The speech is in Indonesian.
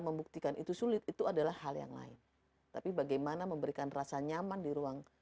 membuktikan itu sulit itu adalah hal yang lain tapi bagaimana memberikan rasa nyaman di ruang